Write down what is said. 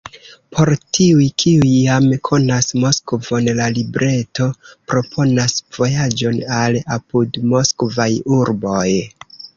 Por tiuj, kiuj jam konas Moskvon, la libreto proponas vojaĝon al apudmoskvaj urboj.